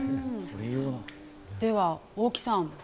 では大木さん